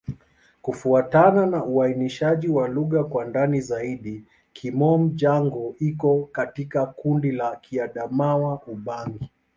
Kufuatana na uainishaji wa lugha kwa ndani zaidi, Kimom-Jango iko katika kundi la Kiadamawa-Ubangi.